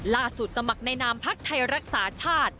ล่าสุดสมัครในนามภาคไทยรักษาชาติ